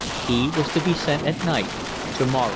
He was to be sent at night to Morro.